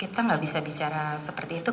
kita nggak bisa bicara seperti itu